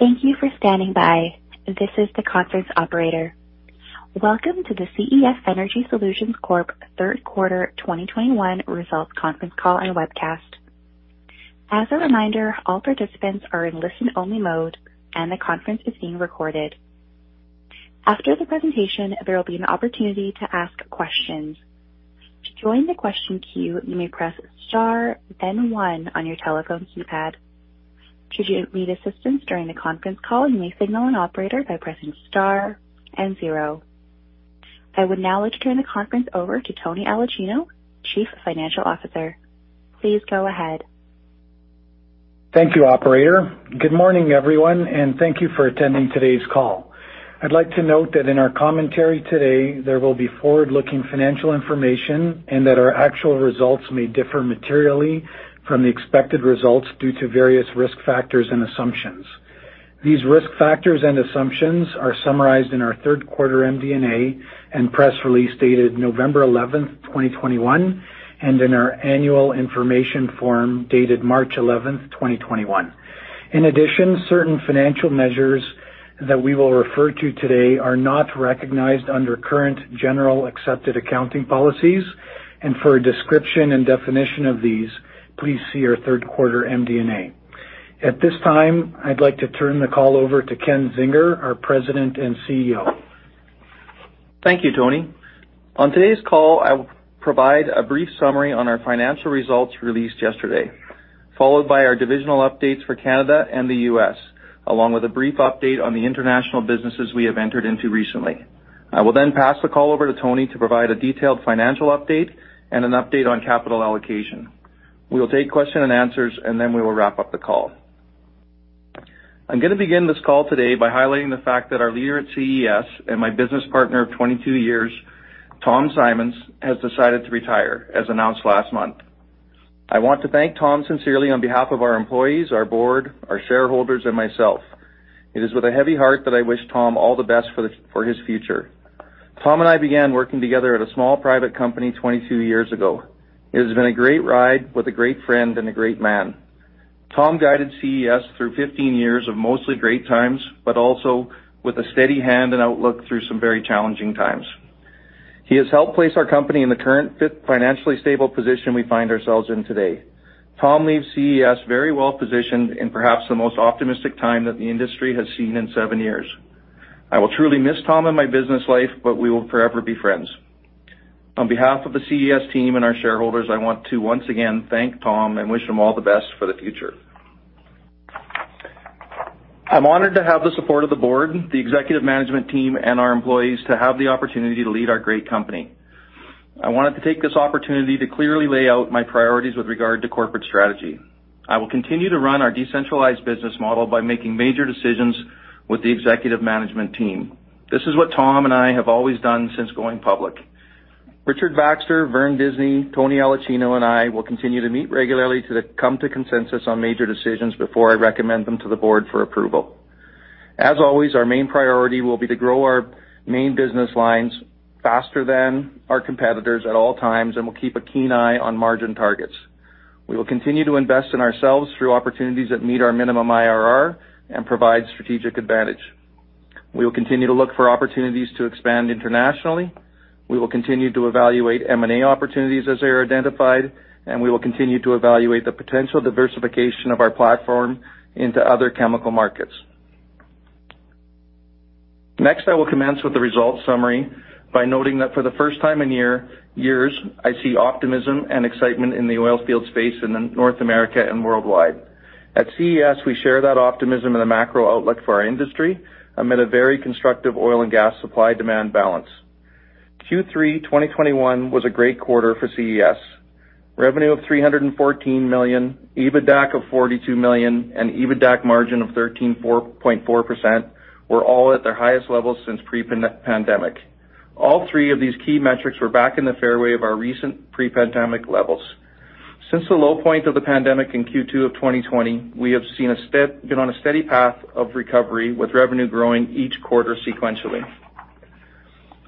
Thank you for standing by. This is the conference operator. Welcome to the CES Energy Solutions Corp. Q3 2021 results conference call and webcast. As a reminder, all participants are in listen-only mode, and the conference is being recorded. After the presentation, there will be an opportunity to ask questions. To join the question queue, you may press Star, then one on your telephone keypad. Should you need assistance during the conference call, you may signal an operator by pressing Star and zero. I would now like to turn the conference over to Tony Aulicino, Chief Financial Officer. Please go ahead. Thank you, operator. Good morning, everyone, and thank you for attending today's call. I'd like to note that in our commentary today, there will be forward-looking financial information and that our actual results may differ materially from the expected results due to various risk factors and assumptions. These risk factors and assumptions are summarized in our Q3 MD&A and press release dated November 11, 2021, and in our annual information form dated March 11, 2021. In addition, certain financial measures that we will refer to today are not recognized under current generally accepted accounting principles. For a description and definition of these, please see our Q3 MD&A. At this time, I'd like to turn the call over to Tony Aulicino, our President and CEO. Thank you, Tony. On today's call, I will provide a brief summary on our financial results released yesterday, followed by our divisional updates for Canada and the U.S., along with a brief update on the international businesses we have entered into recently. I will then pass the call over to Tony to provide a detailed financial update and an update on capital allocation. We will take question and answers, and then we will wrap up the call. I'm gonna begin this call today by highlighting the fact that our leader at CES and my business partner of 22 years, Tom Simons, has decided to retire, as announced last month. I want to thank Tom sincerely on behalf of our employees, our board, our shareholders, and myself. It is with a heavy heart that I wish Tom all the best for his future. Tom and I began working together at a small private company 22 years ago. It has been a great ride with a great friend and a great man. Tom guided CES through 15 years of mostly great times, but also with a steady hand and outlook through some very challenging times. He has helped place our company in the current financially stable position we find ourselves in today. Tom leaves CES very well-positioned in perhaps the most optimistic time that the industry has seen in seven years. I will truly miss Tom in my business life, but we will forever be friends. On behalf of the CES team and our shareholders, I want to once again thank Tom and wish him all the best for the future. I'm honored to have the support of the board, the executive management team, and our employees to have the opportunity to lead our great company. I wanted to take this opportunity to clearly lay out my priorities with regard to corporate strategy. I will continue to run our decentralized business model by making major decisions with the executive management team. This is what Tom and I have always done since going public. Richard Baxter, Vern Disney, Tony Aulicino, and I will continue to meet regularly to come to consensus on major decisions before I recommend them to the board for approval. As always, our main priority will be to grow our main business lines faster than our competitors at all times, and we'll keep a keen eye on margin targets. We will continue to invest in ourselves through opportunities that meet our minimum IRR and provide strategic advantage. We will continue to look for opportunities to expand internationally. We will continue to evaluate M&A opportunities as they are identified, and we will continue to evaluate the potential diversification of our platform into other chemical markets. Next, I will commence with the results summary by noting that for the first time in years, I see optimism and excitement in the oil field space in North America and worldwide. At CES, we share that optimism in the macro outlook for our industry amid a very constructive oil and gas supply-demand balance. Q3 2021 was a great quarter for CES. Revenue of 314 million, EBITDAC of 42 million, and EBITDAC margin of 13.4% were all at their highest levels since pre-pandemic. All three of these key metrics were back in the fairway of our recent pre-pandemic levels. Since the low point of the pandemic in Q2 of 2020, we have been on a steady path of recovery, with revenue growing each quarter sequentially.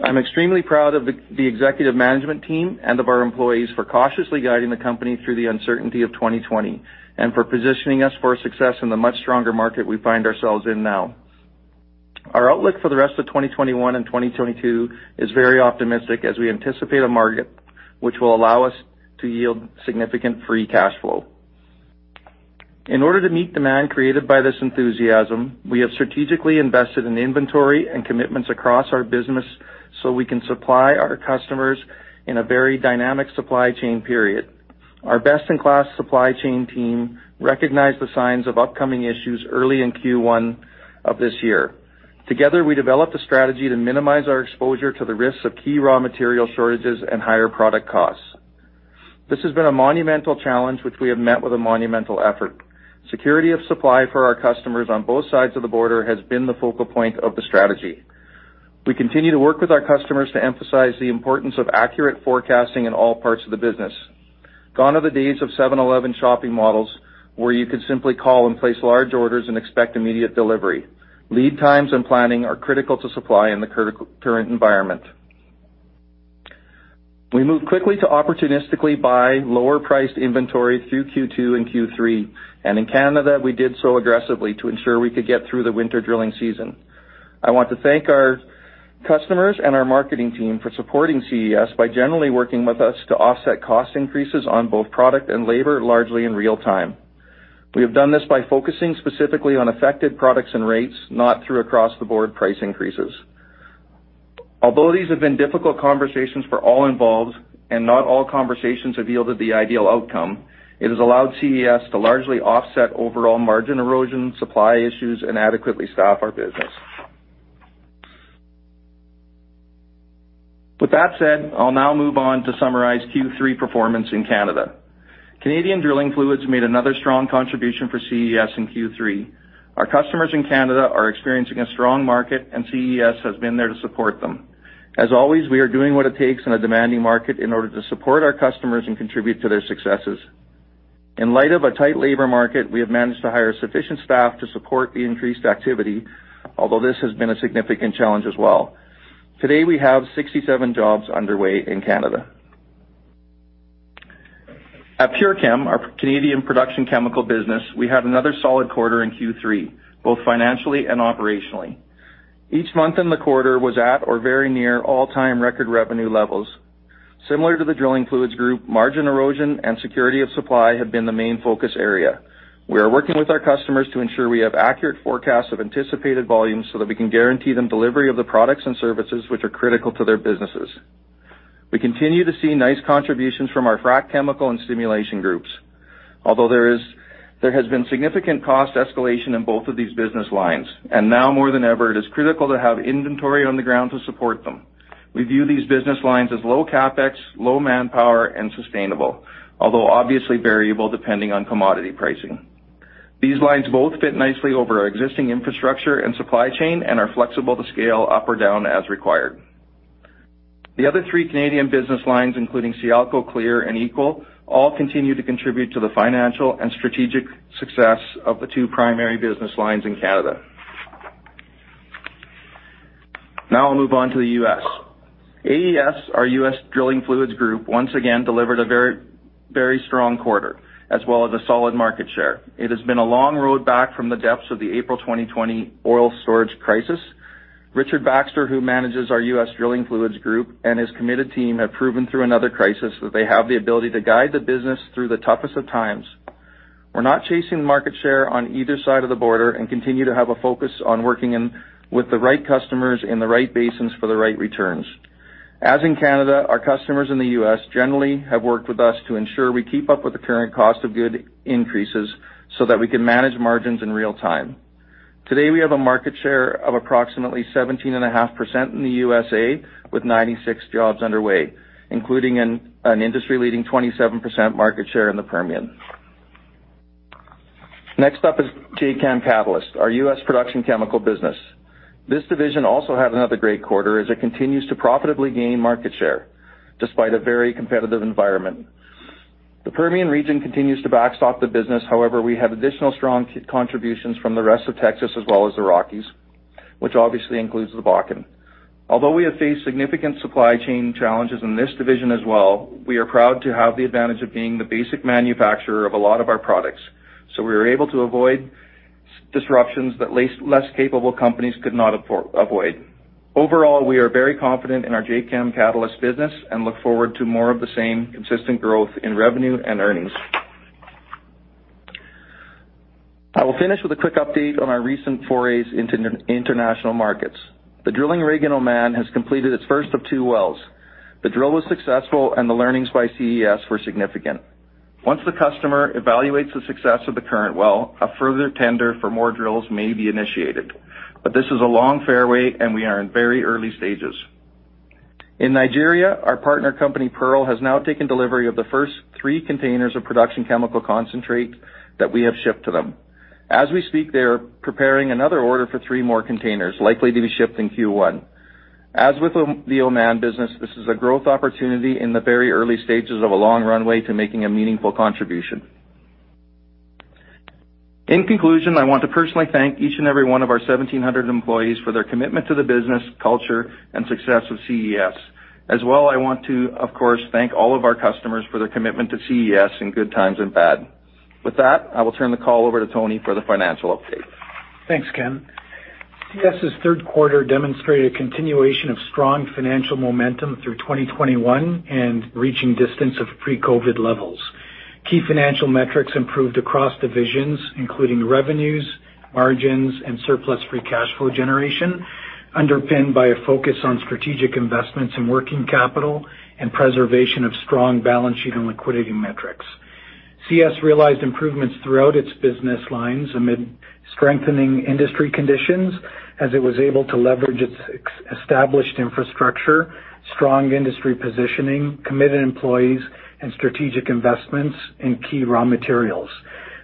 I'm extremely proud of the executive management team and of our employees for cautiously guiding the company through the uncertainty of 2020 and for positioning us for success in the much stronger market we find ourselves in now. Our outlook for the rest of 2021 and 2022 is very optimistic as we anticipate a market which will allow us to yield significant free cash flow. In order to meet demand created by this enthusiasm, we have strategically invested in inventory and commitments across our business so we can supply our customers in a very dynamic supply chain period. Our best-in-class supply chain team recognized the signs of upcoming issues early in Q1 of this year. Together, we developed a strategy to minimize our exposure to the risks of key raw material shortages and higher product costs. This has been a monumental challenge, which we have met with a monumental effort. Security of supply for our customers on both sides of the border has been the focal point of the strategy. We continue to work with our customers to emphasize the importance of accurate forecasting in all parts of the business. Gone are the days of seven eleven shopping models, where you could simply call and place large orders and expect immediate delivery. Lead times and planning are critical to supply in the current environment. We moved quickly to opportunistically buy lower priced inventory through Q2 and Q3. In Canada, we did so aggressively to ensure we could get through the winter drilling season. I want to thank our customers and our marketing team for supporting CES by generally working with us to offset cost increases on both product and labor, largely in real time. We have done this by focusing specifically on affected products and rates, not through across-the-board price increases. Although these have been difficult conversations for all involved, and not all conversations have yielded the ideal outcome, it has allowed CES to largely offset overall margin erosion, supply issues, and adequately staff our business. With that said, I'll now move on to summarize Q3 performance in Canada. Canadian drilling fluids made another strong contribution for CES in Q3. Our customers in Canada are experiencing a strong market, and CES has been there to support them. As always, we are doing what it takes in a demanding market in order to support our customers and contribute to their successes. In light of a tight labor market, we have managed to hire sufficient staff to support the increased activity, although this has been a significant challenge as well. Today, we have 67 jobs underway in Canada. At PureChem, our Canadian production chemical business, we had another solid quarter in Q3, both financially and operationally. Each month in the quarter was at or very near all-time record revenue levels. Similar to the drilling fluids group, margin erosion and security of supply have been the main focus area. We are working with our customers to ensure we have accurate forecasts of anticipated volumes so that we can guarantee them delivery of the products and services which are critical to their businesses. We continue to see nice contributions from our frac chemical and stimulation groups. Although there has been significant cost escalation in both of these business lines, and now more than ever, it is critical to have inventory on the ground to support them. We view these business lines as low CapEx, low manpower, and sustainable, although obviously variable depending on commodity pricing. These lines both fit nicely over our existing infrastructure and supply chain and are flexible to scale up or down as required. The other three Canadian business lines, including Sialco, Clear, and Equal, all continue to contribute to the financial and strategic success of the two primary business lines in Canada. Now I'll move on to the U.S. AES, our U.S. drilling fluids group, once again delivered a very, very strong quarter as well as a solid market share. It has been a long road back from the depths of the April 2020 oil storage crisis. Richard Baxter, who manages our U.S. drilling fluids group, and his committed team have proven through another crisis that they have the ability to guide the business through the toughest of times. We're not chasing market share on either side of the border and continue to have a focus on working with the right customers in the right basins for the right returns. As in Canada, our customers in the U.S. generally have worked with us to ensure we keep up with the current cost of goods increases so that we can manage margins in real time. Today, we have a market share of approximately 17.5% in the U.S.A., with 96 jobs underway, including an industry-leading 27% market share in the Permian. Next up is Jacam Catalyst, our U.S. production chemical business. This division also had another great quarter as it continues to profitably gain market share despite a very competitive environment. The Permian region continues to backstop the business. However, we have additional strong key contributions from the rest of Texas as well as the Rockies, which obviously includes the Bakken. Although we have faced significant supply chain challenges in this division as well, we are proud to have the advantage of being the basic manufacturer of a lot of our products, so we were able to avoid disruptions that less capable companies could not avoid. Overall, we are very confident in our Jacam Catalyst business and look forward to more of the same consistent growth in revenue and earnings. I will finish with a quick update on our recent forays into international markets. The drilling rig in Oman has completed its first of two wells. The drill was successful, and the learnings by CES were significant. Once the customer evaluates the success of the current well, a further tender for more drills may be initiated. This is a long fairway, and we are in very early stages. In Nigeria, our partner company, PEARL, has now taken delivery of the first three containers of production chemical concentrate that we have shipped to them. As we speak, they are preparing another order for three more containers, likely to be shipped in Q1. As with the Oman business, this is a growth opportunity in the very early stages of a long runway to making a meaningful contribution. In conclusion, I want to personally thank each and every one of our 1,700 employees for their commitment to the business, culture, and success of CES. As well, I want to, of course, thank all of our customers for their commitment to CES in good times and bad. With that, I will turn the call over to Tony for the financial update. Thanks, Ken. CES' Q3 demonstrated continuation of strong financial momentum through 2021 and reaching distance of pre-COVID levels. Key financial metrics improved across divisions, including revenues, margins, and surplus free cash flow generation, underpinned by a focus on strategic investments in working capital and preservation of strong balance sheet and liquidity metrics. CES realized improvements throughout its business lines amid strengthening industry conditions as it was able to leverage its established infrastructure, strong industry positioning, committed employees, and strategic investments in key raw materials.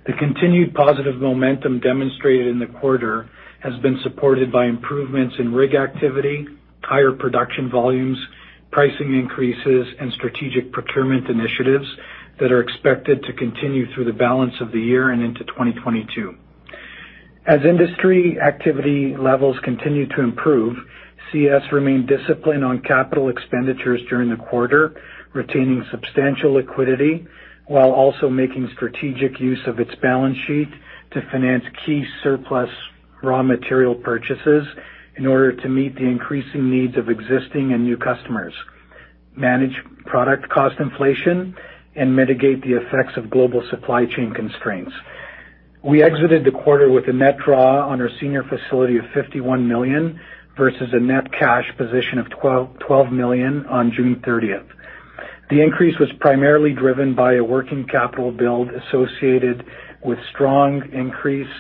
The continued positive momentum demonstrated in the quarter has been supported by improvements in rig activity, higher production volumes, pricing increases, and strategic procurement initiatives that are expected to continue through the balance of the year and into 2022. As industry activity levels continue to improve, CES remained disciplined on capital expenditures during the quarter, retaining substantial liquidity while also making strategic use of its balance sheet to finance key surplus raw material purchases in order to meet the increasing needs of existing and new customers, manage product cost inflation, and mitigate the effects of global supply chain constraints. We exited the quarter with a net draw on our senior facility of 51 million versus a net cash position of 12 million on June thirtieth. The increase was primarily driven by a working capital build associated with strong increase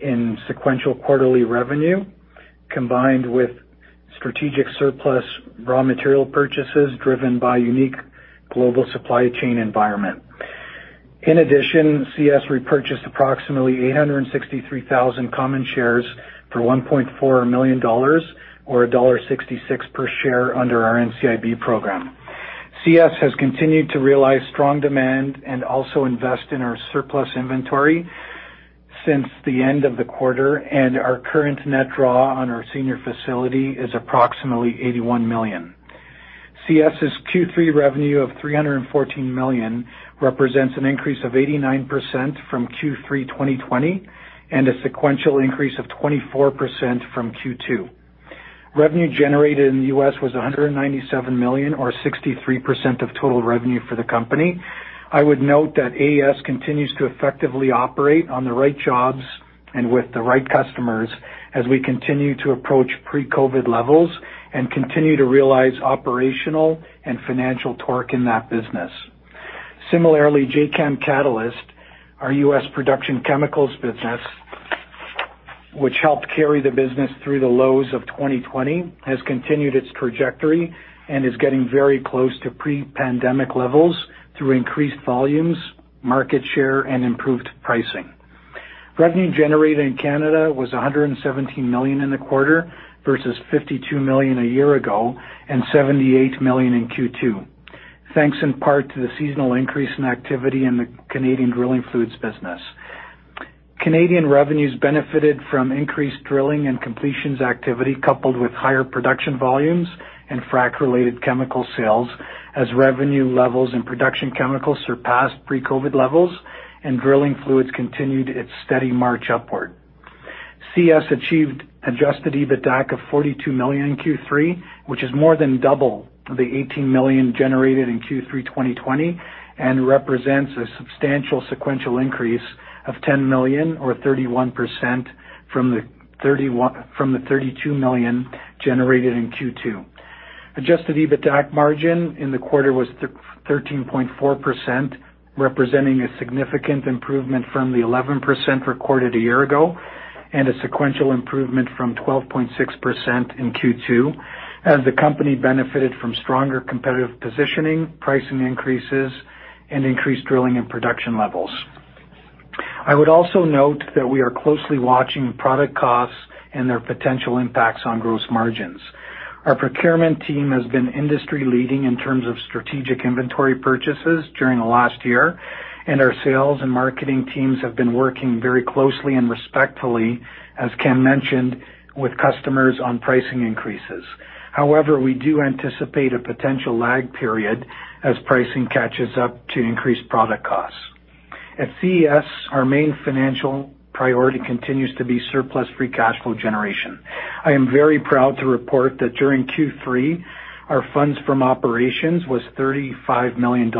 in sequential quarterly revenue, combined with strategic surplus raw material purchases driven by unique global supply chain environment. In addition, CES repurchased approximately 863,000 common shares for $1.4 million or $1.66 per share under our NCIB program. CES has continued to realize strong demand and also invest in our surplus inventory since the end of the quarter, and our current net draw on our senior facility is approximately $81 million. CES's Q3 revenue of $314 million represents an increase of 89% from Q3 2020 and a sequential increase of 24% from Q2. Revenue generated in the U.S. was $197 million or 63% of total revenue for the company. I would note that AES continues to effectively operate on the right jobs and with the right customers as we continue to approach pre-COVID levels and continue to realize operational and financial torque in that business. Similarly, Jacam Catalyst, our U.S. production chemicals business, which helped carry the business through the lows of 2020, has continued its trajectory and is getting very close to pre-pandemic levels through increased volumes, market share, and improved pricing. Revenue generated in Canada was CAD 117 million in the quarter versus CAD 52 million a year ago and CAD 78 million in Q2, thanks in part to the seasonal increase in activity in the Canadian drilling fluids business. Canadian revenues benefited from increased drilling and completions activity, coupled with higher production volumes and frac-related chemical sales as revenue levels in production chemicals surpassed pre-COVID levels and drilling fluids continued its steady march upward. CES achieved adjusted EBITDAC of 42 million in Q3, which is more than double the 18 million generated in Q3 2020 and represents a substantial sequential increase of 10 million or 31% from the 32 million generated in Q2. Adjusted EBITDAC margin in the quarter was thirteen point four percent, representing a significant improvement from the 11% recorded a year ago and a sequential improvement from 12.6% in Q2 as the company benefited from stronger competitive positioning, pricing increases, and increased drilling and production levels. I would also note that we are closely watching product costs and their potential impacts on gross margins. Our procurement team has been industry-leading in terms of strategic inventory purchases during the last year, and our sales and marketing teams have been working very closely and respectfully, as Ken mentioned, with customers on pricing increases. However, we do anticipate a potential lag period as pricing catches up to increased product costs. At CES, our main financial priority continues to be surplus-free cash flow generation. I am very proud to report that during Q3, our funds from operations was $35 million,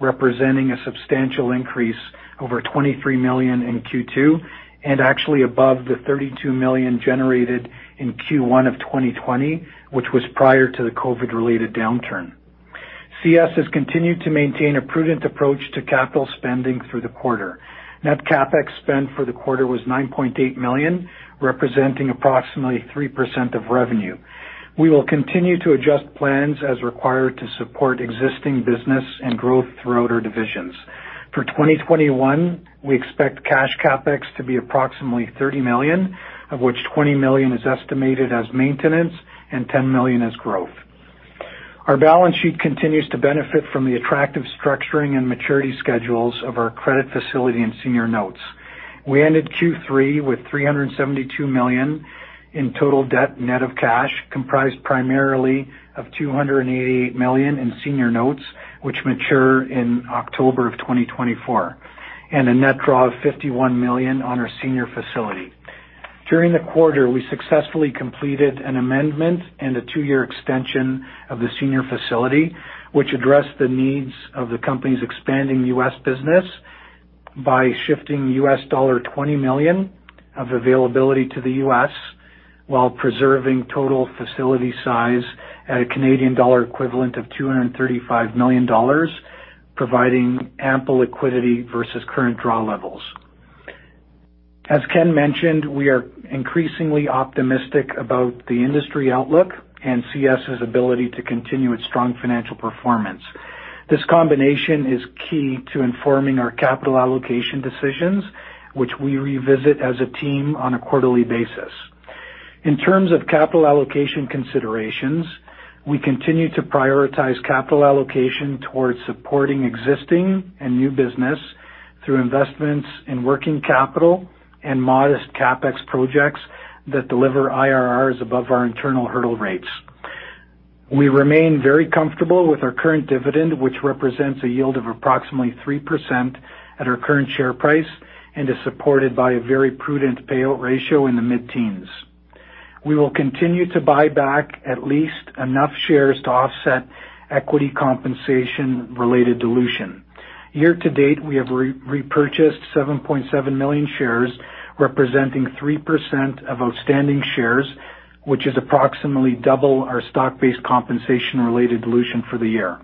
representing a substantial increase over $23 million in Q2 and actually above the $32 million generated in Q1 of 2020, which was prior to the COVID-related downturn. CES has continued to maintain a prudent approach to capital spending through the quarter. Net CapEx spend for the quarter was $9.8 million, representing approximately 3% of revenue. We will continue to adjust plans as required to support existing business and growth throughout our divisions. For 2021, we expect cash CapEx to be approximately $30 million, of which $20 million is estimated as maintenance and $10 million as growth. Our balance sheet continues to benefit from the attractive structuring and maturity schedules of our credit facility and senior notes. We ended Q3 with 372 million in total debt net of cash, comprised primarily of 288 million in senior notes, which mature in October of 2024, and a net draw of 51 million on our senior facility. During the quarter, we successfully completed an amendment and a two-year extension of the senior facility, which addressed the needs of the company's expanding U.S. business by shifting $20 million of availability to the U.S. while preserving total facility size at a Canadian dollar equivalent of 235 million dollars, providing ample liquidity versus current draw levels. As Ken mentioned, we are increasingly optimistic about the industry outlook and CES's ability to continue its strong financial performance. This combination is key to informing our capital allocation decisions, which we revisit as a team on a quarterly basis. In terms of capital allocation considerations, we continue to prioritize capital allocation towards supporting existing and new business through investments in working capital and modest CapEx projects that deliver IRRs above our internal hurdle rates. We remain very comfortable with our current dividend, which represents a yield of approximately 3% at our current share price and is supported by a very prudent payout ratio in the mid-teens. We will continue to buy back at least enough shares to offset equity compensation-related dilution. Year to date, we have repurchased 7.7 million shares, representing 3% of outstanding shares, which is approximately double our stock-based compensation related dilution for the year.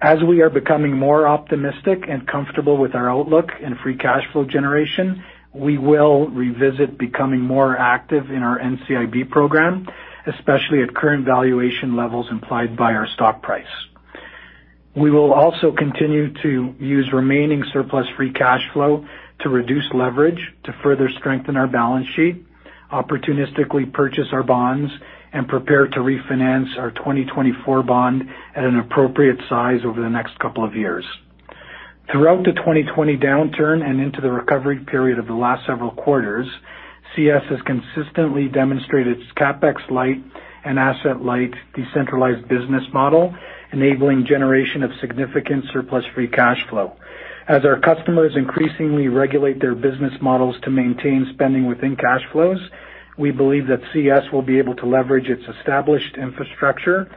As we are becoming more optimistic and comfortable with our outlook and free cash flow generation, we will revisit becoming more active in our NCIB program, especially at current valuation levels implied by our stock price. We will also continue to use remaining surplus free cash flow to reduce leverage to further strengthen our balance sheet, opportunistically purchase our bonds, and prepare to refinance our 2024 bond at an appropriate size over the next couple of years. Throughout the 2020 downturn and into the recovery period of the last several quarters, CES has consistently demonstrated its CapEx light and asset light decentralized business model, enabling generation of significant surplus free cash flow. As our customers increasingly regulate their business models to maintain spending within cash flows, we believe that CES will be able to leverage its established infrastructure,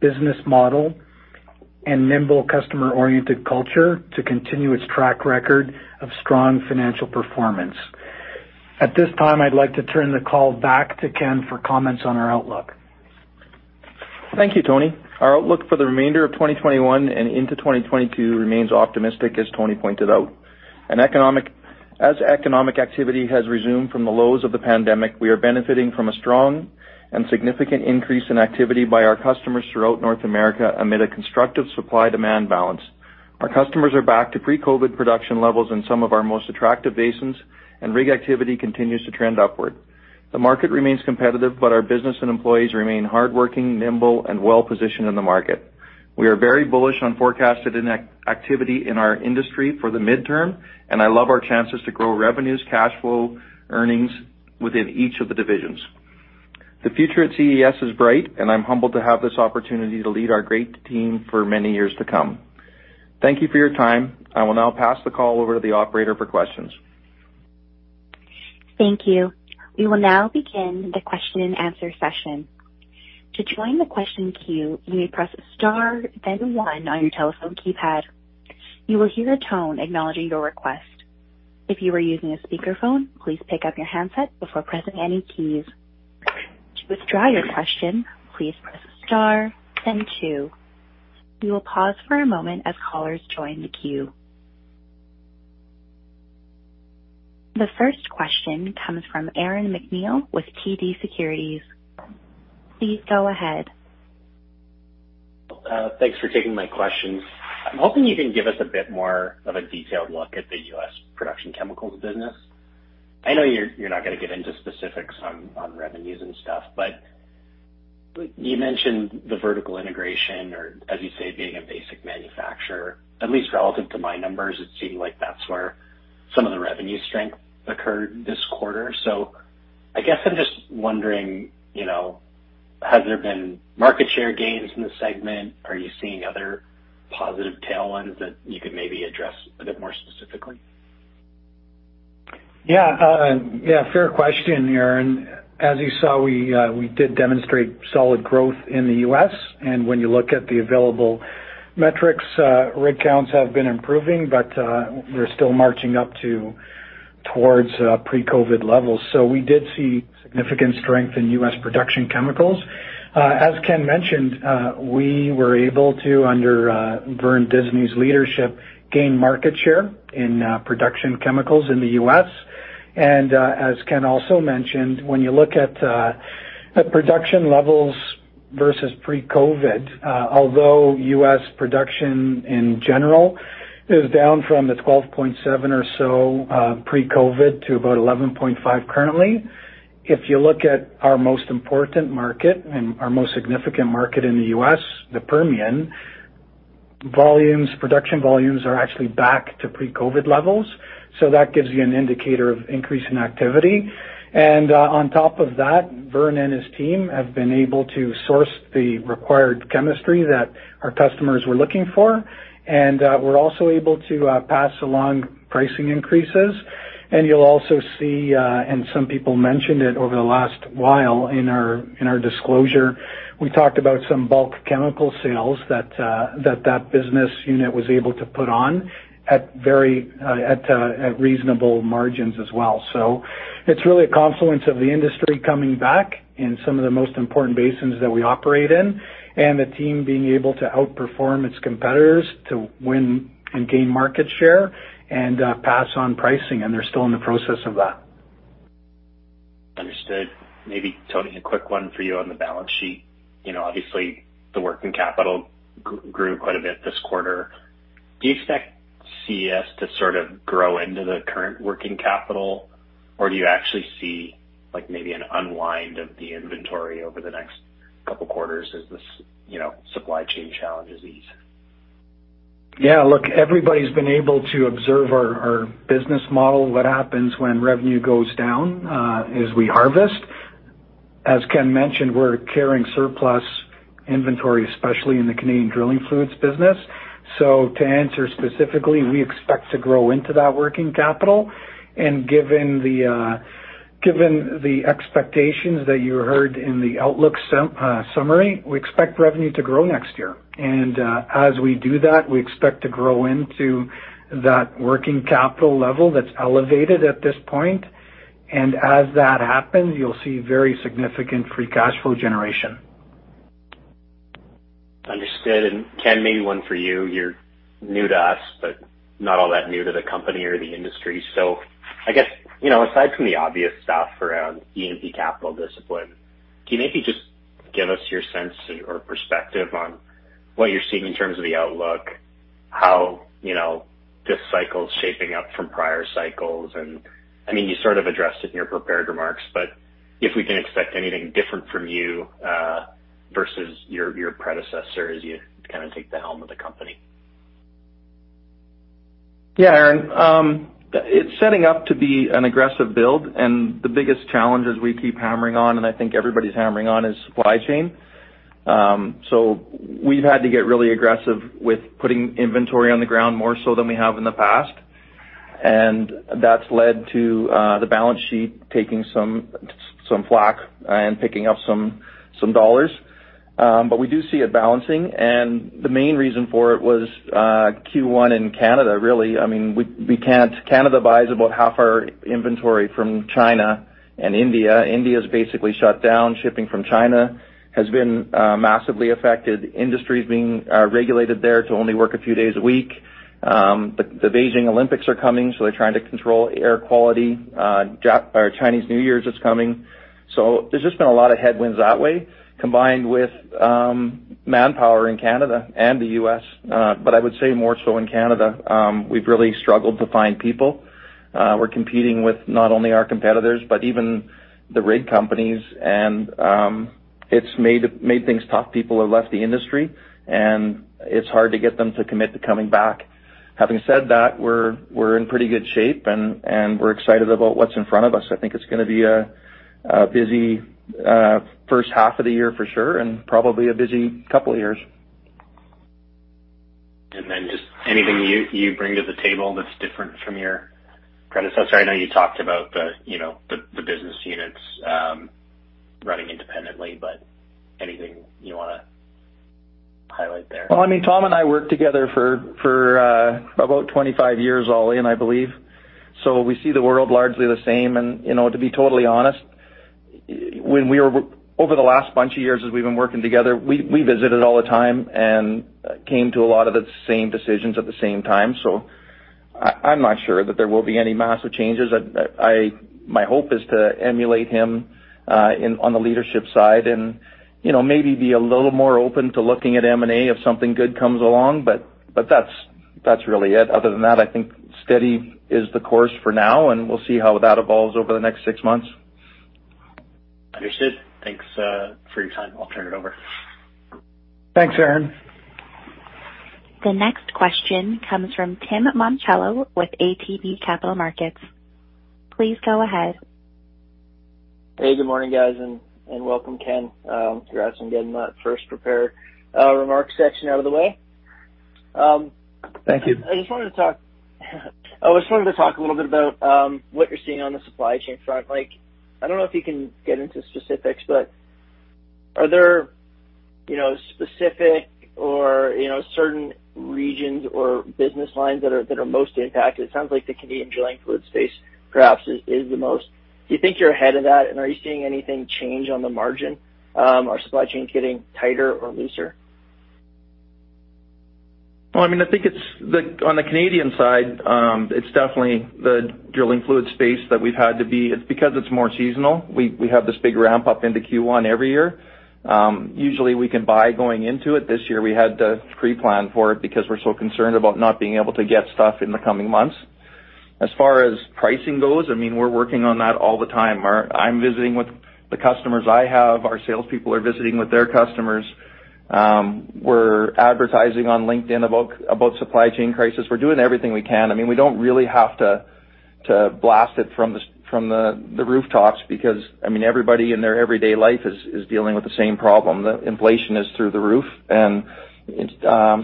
business model, and nimble customer-oriented culture to continue its track record of strong financial performance. At this time, I'd like to turn the call back to Ken for comments on our outlook. Thank you, Tony. Our outlook for the remainder of 2021 and into 2022 remains optimistic, as Tony pointed out. As economic activity has resumed from the lows of the pandemic, we are benefiting from a strong and significant increase in activity by our customers throughout North America amid a constructive supply-demand balance. Our customers are back to pre-COVID production levels in some of our most attractive basins, and rig activity continues to trend upward. The market remains competitive, but our business and employees remain hardworking, nimble and well-positioned in the market. We are very bullish on forecasted activity in our industry for the midterm, and I love our chances to grow revenues, cash flow, earnings within each of the divisions. The future at CES is bright, and I'm humbled to have this opportunity to lead our great team for many years to come. Thank you for your time. I will now pass the call over to the operator for questions. Thank you. We will now begin the question-and-answer session. To join the question queue, you may press star then one on your telephone keypad. You will hear a tone acknowledging your request. If you are using a speakerphone, please pick up your handset before pressing any keys. To withdraw your question, please press star then two. We will pause for a moment as callers join the queue. The first question comes from Aaron MacNeil with TD Securities. Please go ahead. Thanks for taking my questions. I'm hoping you can give us a bit more of a detailed look at the U.S. production chemicals business. I know you're not gonna get into specifics on revenues and stuff, but you mentioned the vertical integration or as you say, being a basic manufacturer, at least relative to my numbers, it seemed like that's where some of the revenue strength occurred this quarter. I guess I'm just wondering, you know, has there been market share gains in the segment? Are you seeing other positive tailwinds that you could maybe address a bit more specifically? Yeah. Yeah, fair question, Aaron. As you saw, we did demonstrate solid growth in the U.S., and when you look at the available metrics, rig counts have been improving, but we're still marching up towards pre-COVID levels. We did see significant strength in U.S. production chemicals. As Ken mentioned, we were able to, under Vern Disney's leadership, gain market share in production chemicals in the U.S. As Ken also mentioned, when you look at production levels versus pre-COVID, although U.S. production in general is down from the 12.7 or so pre-COVID to about 11.5 currently, if you look at our most important market and our most significant market in the U.S., the Permian, volumes, production volumes are actually back to pre-COVID levels. That gives you an indicator of increase in activity. On top of that, Vern and his team have been able to source the required chemistry that our customers were looking for. We're also able to pass along pricing increases. You'll also see, and some people mentioned it over the last while in our disclosure, we talked about some bulk chemical sales that that business unit was able to put on at very reasonable margins as well. It's really a confluence of the industry coming back in some of the most important basins that we operate in and the team being able to outperform its competitors to win and gain market share and pass on pricing, and they're still in the process of that. Understood. Maybe, Tony, a quick one for you on the balance sheet. You know, obviously, the working capital grew quite a bit this quarter. Do you expect CES to sort of grow into the current working capital or do you actually see like maybe an unwind of the inventory over the next couple of quarters as this, you know, supply chain challenges ease? Yeah. Look, everybody's been able to observe our business model. What happens when revenue goes down is we harvest. As Ken mentioned, we're carrying surplus inventory, especially in the Canadian drilling fluids business. To answer specifically, we expect to grow into that working capital. Given the expectations that you heard in the outlook summary, we expect revenue to grow next year. As we do that, we expect to grow into that working capital level that's elevated at this point. As that happens, you'll see very significant free cash flow generation. Understood. Ken, maybe one for you're new to us, but not all that new to the company or the industry. I guess, you know, aside from the obvious stuff around E&P capital discipline, can you maybe just give us your sense or perspective on what you're seeing in terms of the outlook, how, you know, this cycle is shaping up from prior cycles? I mean, you sort of addressed it in your prepared remarks, but if we can expect anything different from you versus your predecessor as you kind of take the helm of the company. Yeah, Aaron. It's setting up to be an aggressive build. The biggest challenge is we keep hammering on, and I think everybody's hammering on is supply chain. We've had to get really aggressive with putting inventory on the ground more so than we have in the past. That's led to the balance sheet taking some flak and picking up some dollars. We do see it balancing. The main reason for it was Q1 in Canada, really. I mean, Canada buys about half our inventory from China and India. India is basically shut down. Shipping from China has been massively affected. Industry is being regulated there to only work a few days a week. The Beijing Olympics are coming, so they're trying to control air quality. Chinese New Year's is coming. There's just been a lot of headwinds that way, combined with manpower in Canada and the U.S., but I would say more so in Canada. We've really struggled to find people. We're competing with not only our competitors, but even the rig companies. It's made things tough. People have left the industry, and it's hard to get them to commit to coming back. Having said that, we're in pretty good shape and we're excited about what's in front of us. I think it's gonna be a busy first half of the year for sure, and probably a busy couple of years. Just anything you bring to the table that's different from your predecessor? I know you talked about the business units running independently, but anything you wanna highlight there? I mean, Tom and I worked together for about 25 years, Aaron, and I believe we see the world largely the same. You know, to be totally honest, when over the last bunch of years as we've been working together, we visited all the time and came to a lot of the same decisions at the same time. I'm not sure that there will be any massive changes. My hope is to emulate him on the leadership side and, you know, maybe be a little more open to looking at M&A if something good comes along, but that's really it. Other than that, I think steady is the course for now, and we'll see how that evolves over the next six months. Understood. Thanks, for your time. I'll turn it over. Thanks, Aaron. The next question comes from Tim Monachello with ATB Capital Markets. Please go ahead. Hey, good morning, guys, and welcome, Ken. Congrats on getting that first prepared remarks section out of the way. Thank you. I just wanted to talk a little bit about what you're seeing on the supply chain front. Like, I don't know if you can get into specifics, but are there, you know, specific or, you know, certain regions or business lines that are most impacted? It sounds like the Canadian drilling fluid space perhaps is the most. Do you think you're ahead of that? Are you seeing anything change on the margin? Is the supply chain getting tighter or looser? Well, I mean, I think it's on the Canadian side. It's definitely the drilling fluid space that we've had to be. It's because it's more seasonal. We have this big ramp up into Q1 every year. Usually, we can buy going into it. This year, we had to pre-plan for it because we're so concerned about not being able to get stuff in the coming months. As far as pricing goes, I mean, we're working on that all the time. I'm visiting with the customers I have. Our sales people are visiting with their customers. We're advertising on LinkedIn about supply chain crisis. We're doing everything we can. I mean, we don't really have to blast it from the rooftops because, I mean, everybody in their everyday life is dealing with the same problem. The inflation is through the roof, and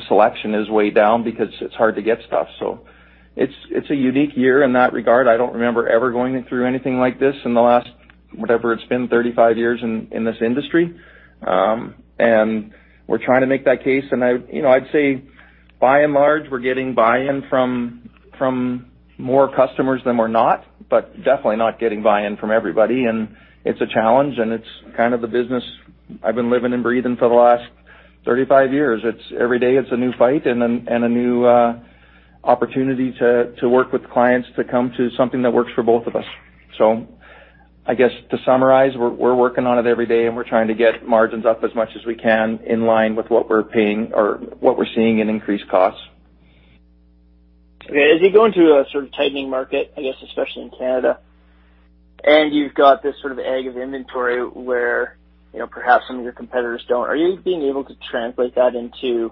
selection is way down because it's hard to get stuff. It's a unique year in that regard. I don't remember ever going through anything like this in the last, whatever it's been, 35 years in this industry. We're trying to make that case. I, you know, I'd say by and large, we're getting buy-in from more customers than we're not, but definitely not getting buy-in from everybody. It's a challenge, and it's kind of the business I've been living and breathing for the last 35 years. It's every day it's a new fight and a new opportunity to work with clients to come to something that works for both of us. I guess to summarize, we're working on it every day, and we're trying to get margins up as much as we can in line with what we're paying or what we're seeing in increased costs. Okay. As you go into a sort of tightening market, I guess, especially in Canada, and you've got this sort of edge of inventory where, you know, perhaps some of your competitors don't, are you being able to translate that into,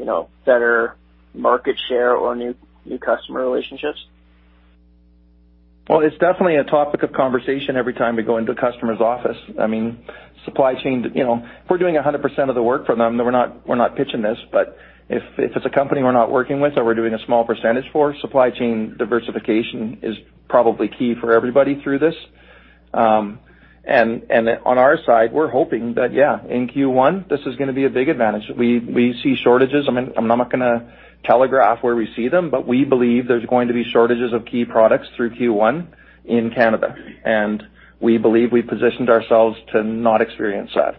you know, better market share or new customer relationships? Well, it's definitely a topic of conversation every time we go into a customer's office. I mean, supply chain, you know, if we're doing 100% of the work for them, then we're not pitching this. But if it's a company we're not working with or we're doing a small percentage for, supply chain diversification is probably key for everybody through this. And on our side, we're hoping that, yeah, in Q1, this is gonna be a big advantage. We see shortages. I'm not gonna telegraph where we see them, but we believe there's going to be shortages of key products through Q1 in Canada, and we believe we've positioned ourselves to not experience that.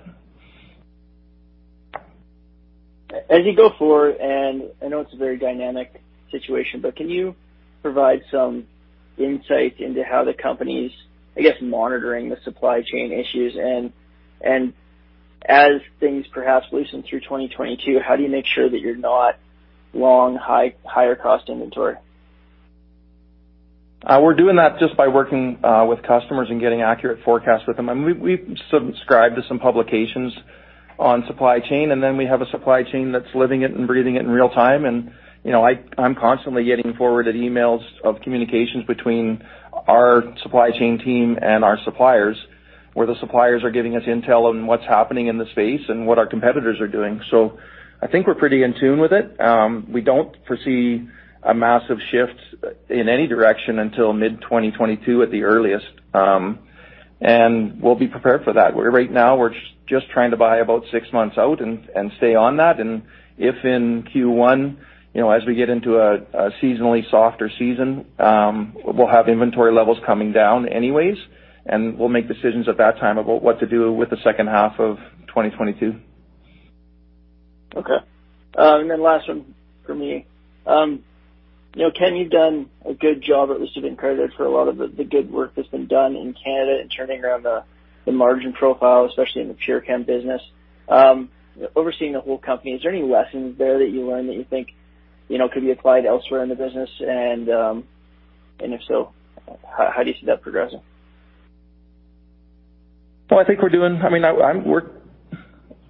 As you go forward, and I know it's a very dynamic situation, but can you provide some insight into how the company's, I guess, monitoring the supply chain issues and as things perhaps loosen through 2022, how do you make sure that you're not long, higher cost inventory? We're doing that just by working with customers and getting accurate forecasts with them. We subscribe to some publications on supply chain, and then we have a supply chain that's living it and breathing it in real time. You know, I'm constantly getting forwarded emails of communications between our supply chain team and our suppliers, where the suppliers are giving us intel on what's happening in the space and what our competitors are doing. I think we're pretty in tune with it. We don't foresee a massive shift in any direction until mid-2022 at the earliest, and we'll be prepared for that, where right now we're just trying to buy about six months out and stay on that. If in Q1, you know, as we get into a seasonally softer season, we'll have inventory levels coming down anyways, and we'll make decisions at that time about what to do with the second half of 2022. Okay. Last one from me. You know, Ken, you've done a good job at least of being credited for a lot of the good work that's been done in Canada in turning around the margin profile, especially in the PureChem business. Overseeing the whole company, is there any lessons there that you learned that you think, you know, could be applied elsewhere in the business? If so, how do you see that progressing? I think we're doing. I mean,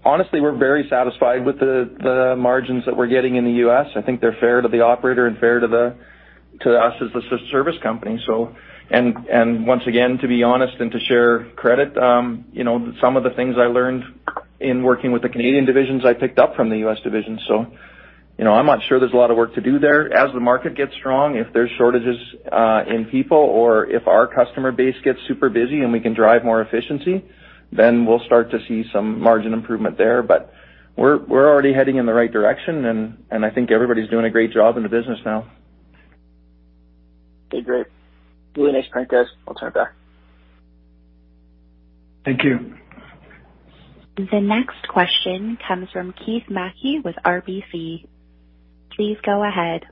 we're honestly very satisfied with the margins that we're getting in the U.S. I think they're fair to the operator and fair to us as a service company. Once again, to be honest and to share credit, you know, some of the things I learned in working with the Canadian divisions, I picked up from the U.S. division. You know, I'm not sure there's a lot of work to do there. As the market gets strong, if there's shortages in people or if our customer base gets super busy and we can drive more efficiency, then we'll start to see some margin improvement there. We're already heading in the right direction and I think everybody's doing a great job in the business now. Okay, great. Really nice print, guys. I'll turn it back. Thank you. The next question comes from Keith Mackey with RBC. Please go ahead.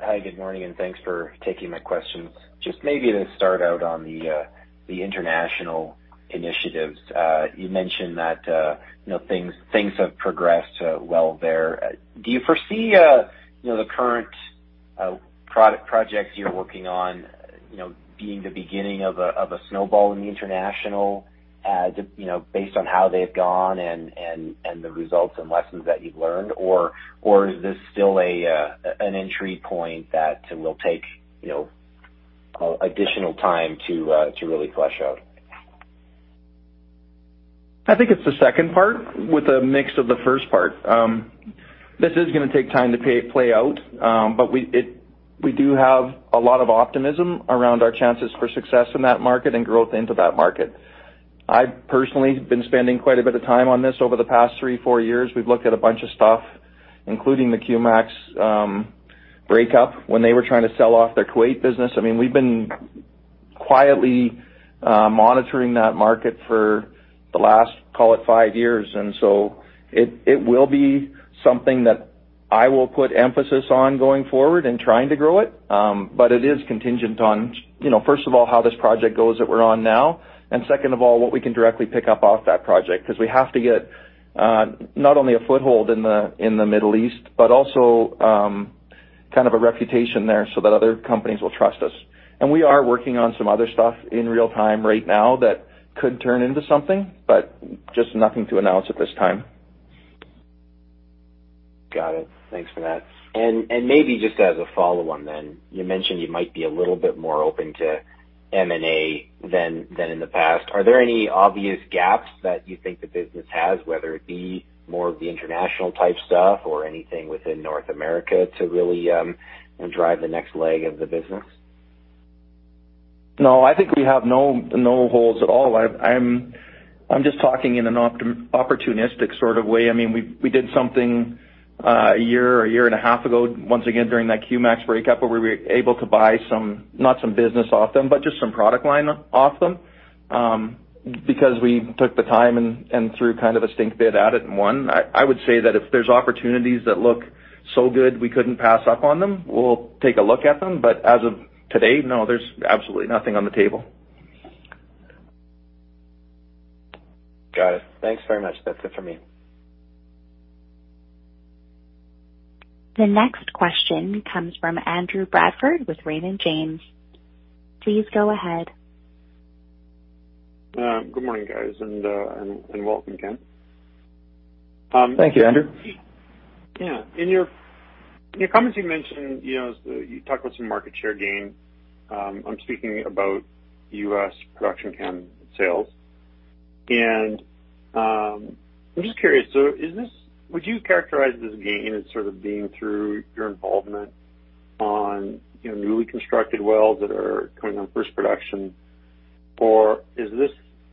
Hi, good morning, and thanks for taking my questions. Just maybe to start out on the international initiatives. You mentioned that you know, things have progressed well there. Do you foresee you know, the current projects you're working on, you know, being the beginning of a snowball in the international you know, based on how they've gone and the results and lessons that you've learned? Or is this still an entry point that will take you know, additional time to really flesh out? I think it's the second part with a mix of the first part. This is gonna take time to play out, but we do have a lot of optimism around our chances for success in that market and growth into that market. I've personally been spending quite a bit of time on this over the past three, four years. We've looked at a bunch of stuff, including the Q'Max breakup when they were trying to sell off their Kuwait business. I mean, we've been quietly monitoring that market for the last, call it, five years. It will be something that I will put emphasis on going forward and trying to grow it. It is contingent on, you know, first of all, how this project goes that we're on now, and second of all, what we can directly pick up off that project. 'Cause we have to get not only a foothold in the Middle East, but also kind of a reputation there so that other companies will trust us. We are working on some other stuff in real time right now that could turn into something, but just nothing to announce at this time. Got it. Thanks for that. Maybe just as a follow-on then, you mentioned you might be a little bit more open to M&A than in the past. Are there any obvious gaps that you think the business has, whether it be more of the international type stuff or anything within North America to really drive the next leg of the business? No, I think we have no holes at all. I'm just talking in an opportunistic sort of way. I mean, we did something a year or a year and a half ago, once again during that QMax breakup, where we were able to buy some, not some business off them, but just some product line off them, because we took the time and threw kind of a stink bid at it and won. I would say that if there's opportunities that look so good we couldn't pass up on them. We'll take a look at them, but as of today, no, there's absolutely nothing on the table. Got it. Thanks very much. That's it for me. The next question comes from Andrew Bradford with Raymond James. Please go ahead. Good morning, guys, and welcome, Ken. Thank you, Andrew. In your comments, you mentioned, you know, you talked about some market share gain. I'm speaking about U.S. production chem sales. I'm just curious. Would you characterize this gain as sort of being through your involvement on, you know, newly constructed wells that are coming on first production? Or is this,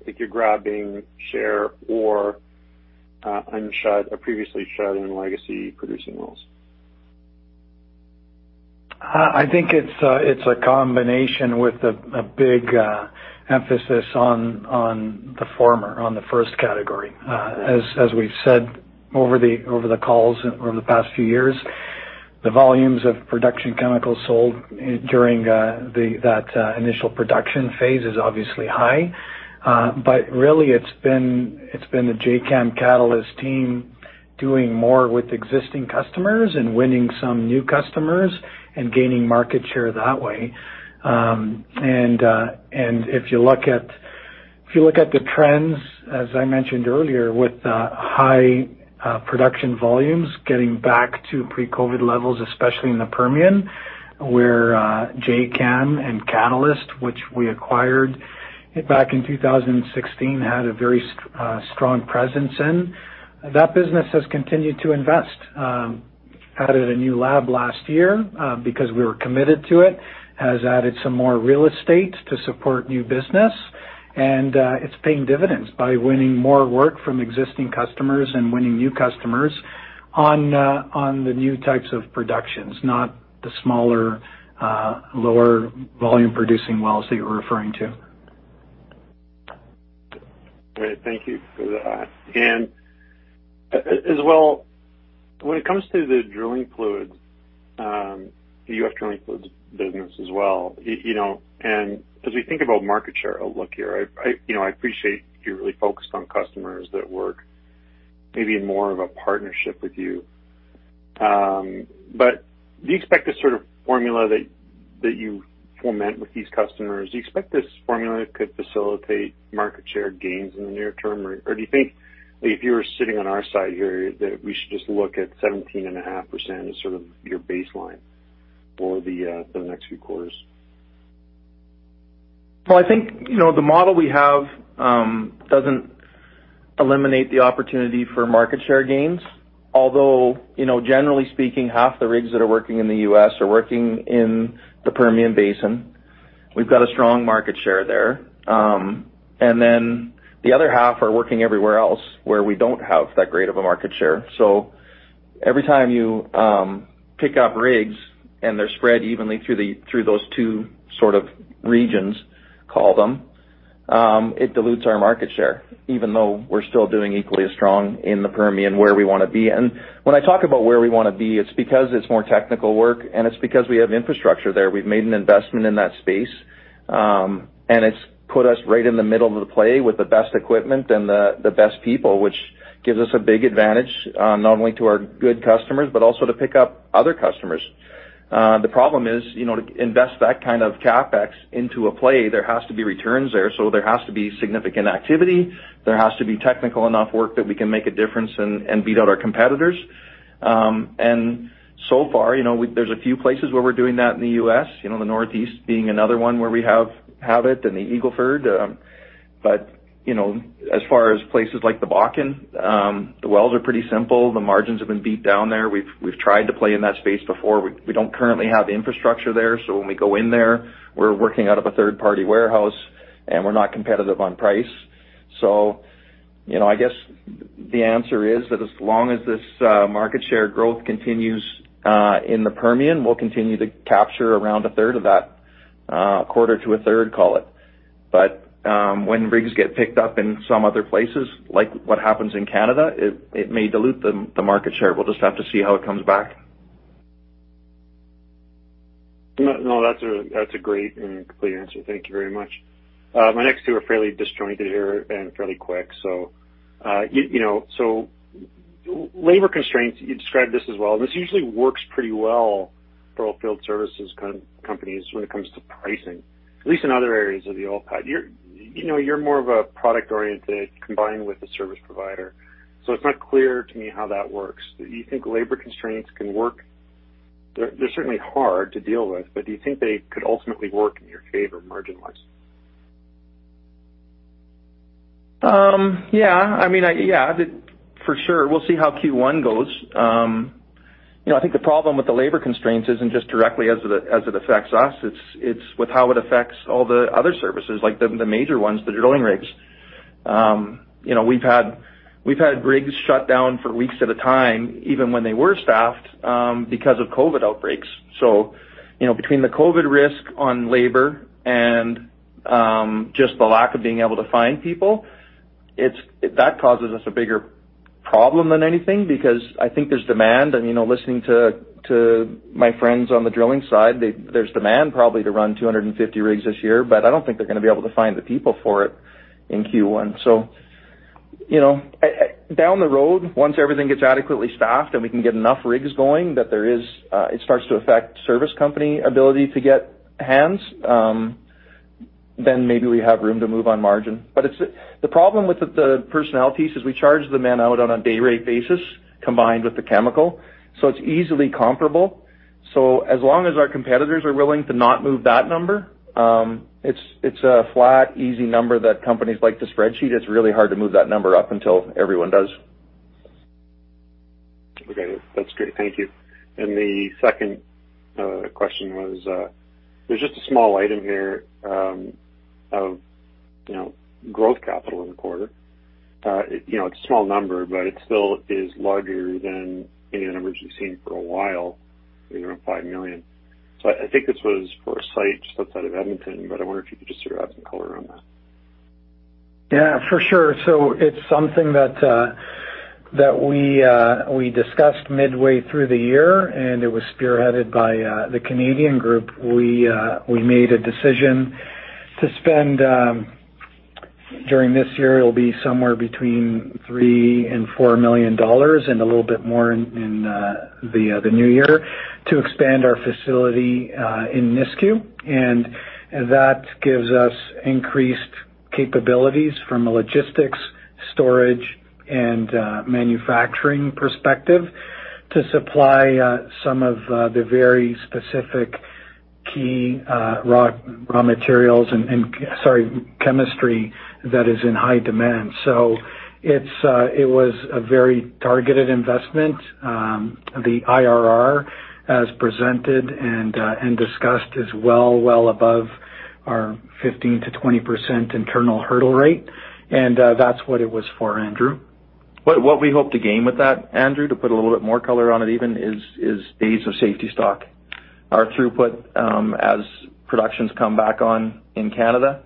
like you're grabbing share or restarting a previously shut-in legacy producing wells? I think it's a combination with a big emphasis on the former, on the first category. As we've said over the calls over the past few years, the volumes of production chemicals sold during that initial production phase is obviously high. Really it's been the Jacam Catalyst team doing more with existing customers and winning some new customers and gaining market share that way. If you look at the trends, as I mentioned earlier, with the high production volumes getting back to pre-COVID levels, especially in the Permian, where Jacam and Catalyst, which we acquired back in 2016, had a very strong presence in that business has continued to invest. We added a new lab last year because we were committed to it. We have added some more real estate to support new business, and it's paying dividends by winning more work from existing customers and winning new customers on the new types of productions, not the smaller, lower volume producing wells that you're referring to. Great. Thank you for that. As well, when it comes to the drilling fluids, the U.S. drilling fluids business as well, you know, as we think about market share outlook here, I you know, I appreciate you're really focused on customers that work maybe in more of a partnership with you. But do you expect this sort of formula that you form with these customers, do you expect this formula could facilitate market share gains in the near term? Or do you think if you were sitting on our side here, that we should just look at 17.5% as sort of your baseline for the next few quarters? Well, I think, you know, the model we have doesn't eliminate the opportunity for market share gains. Although, you know, generally speaking, half the rigs that are working in the U.S. are working in the Permian Basin. We've got a strong market share there. Then the other half are working everywhere else where we don't have that great of a market share. Every time you pick up rigs and they're spread evenly through those two sort of regions, call them, it dilutes our market share, even though we're still doing equally as strong in the Permian where we wanna be. When I talk about where we wanna be, it's because it's more technical work, and it's because we have infrastructure there. We've made an investment in that space, and it's put us right in the middle of the play with the best equipment and the best people, which gives us a big advantage, not only to our good customers, but also to pick up other customers. The problem is, you know, to invest that kind of CapEx into a play, there has to be returns there. There has to be significant activity. There has to be technical enough work that we can make a difference and beat out our competitors. So far, you know, there's a few places where we're doing that in the U.S., you know, the Northeast being another one where we have it and the Eagle Ford. You know, as far as places like the Bakken, the wells are pretty simple. The margins have been beat down there. We've tried to play in that space before. We don't currently have infrastructure there, so when we go in there, we're working out of a third-party warehouse, and we're not competitive on price. You know, I guess the answer is that as long as this market share growth continues in the Permian, we'll continue to capture around 1/3 of that, 1/4 to 1/3, call it. When rigs get picked up in some other places, like what happens in Canada, it may dilute the market share. We'll just have to see how it comes back. No, no, that's a great and complete answer. Thank you very much. My next two are fairly disjointed here and fairly quick. You know, labor constraints, you described this as well, and this usually works pretty well for oilfield services companies when it comes to pricing, at least in other areas of the oil patch. You know, you're more of a product-oriented combined with a service provider, so it's not clear to me how that works. Do you think labor constraints can work? They're certainly hard to deal with, but do you think they could ultimately work in your favor margin-wise? Yeah. I mean. Yeah. For sure. We'll see how Q1 goes. You know, I think the problem with the labor constraints isn't just directly as it affects us, it's with how it affects all the other services like the major ones, the drilling rigs. You know, we've had rigs shut down for weeks at a time, even when they were staffed, because of COVID outbreaks. You know, between the COVID risk on labor and just the lack of being able to find people. It's if that causes us a bigger problem than anything because I think there's demand. You know, listening to my friends on the drilling side, there's demand probably to run 250 rigs this year, but I don't think they're gonna be able to find the people for it in Q1. You know, down the road, once everything gets adequately staffed and we can get enough rigs going that it starts to affect service company ability to get hands, then maybe we have room to move on margin. The problem with the personnel piece is we charge the men out on a day rate basis combined with the chemical, so it's easily comparable. As long as our competitors are willing to not move that number, it's a flat easy number that companies like to spreadsheet. It's really hard to move that number up until everyone does. Okay. That's great. Thank you. The second question was, there's just a small item here of, you know, growth capital in the quarter. You know, it's a small number, but it still is larger than any of the numbers we've seen for a while, you know, 5 million. I think this was for a site just outside of Edmonton, but I wonder if you could just throw out some color on that. Yeah, for sure. It's something that we discussed midway through the year, and it was spearheaded by the Canadian group. We made a decision to spend. During this year will be somewhere between 3 million and 4 million dollars and a little bit more in the new year to expand our facility in Nisku. That gives us increased capabilities from a logistics, storage, and manufacturing perspective to supply some of the very specific key raw materials and chemistry that is in high demand. It was a very targeted investment. The IRR as presented and discussed is well above our 15%-20% internal hurdle rate. That's what it was for, Andrew. What we hope to gain with that, Andrew, to put a little bit more color on it even is days of safety stock. Our throughput, as productions come back on in Canada,